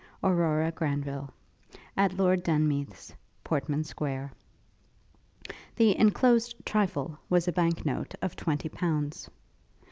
'AURORA GRANVILLE.' 'At Lord Denmeath's, Portman Square.' The 'enclosed trifle' was a bank note of twenty pounds.